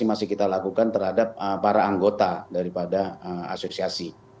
jadi proses masih kita lakukan terhadap para anggota daripada asosiasi